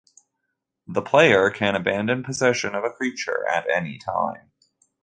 The player can abandon possession of a creature at any time.